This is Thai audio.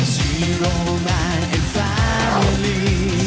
จีโรแมนแอนด์แฟมิลี่